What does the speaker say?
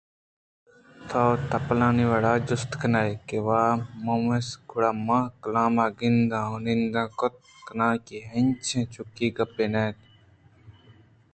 تو تپلانی وڑا جست کنئے کہ واہ مومس گُڑا من کلام ءَ گند ءُنند کُت کناں اے انچاہیں چکی گپ اَنت